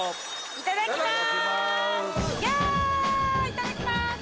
いやいただきます